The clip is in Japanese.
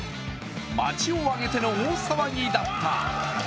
町を挙げての大騒ぎだった。